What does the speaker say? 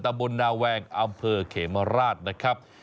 บนนาแวงอำเภอเขมราชนะครับ